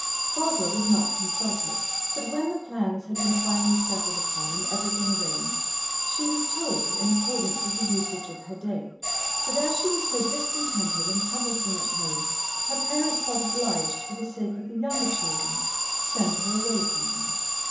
Barbara was not consulted, but when the plans had been finally settled upon and everything arranged, she was told, in accordance with the usage of her day, that as she was so discontented and troublesome at home, her parents felt obliged, for the sake of the younger children, to send her away from them.